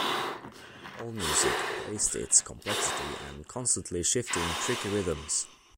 Allmusic praised its complexity and "constantly shifting, tricky rhythms".